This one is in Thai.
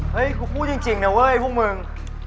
กูพูดจริงนะเว้ยพวกมึง